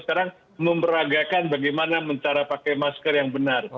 sekarang memeragakan bagaimana cara pakai masker yang benar